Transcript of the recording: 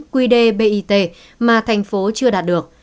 quy đề bit mà thành phố chưa đạt được